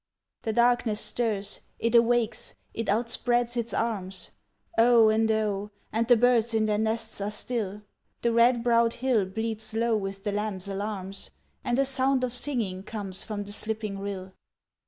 The darkness stirs, it awakes, it outspreads its arms, O and O! and the birds in their nests are still, The red browed hill bleats low with the lamb's alarms, And a sound of singing comes from the slipping rill.